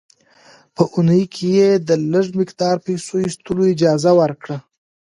په اونۍ کې یې د لږ مقدار پیسو ایستلو اجازه ورکړه.